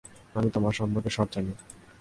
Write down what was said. আমি তোমার সম্পর্কে সব জানি।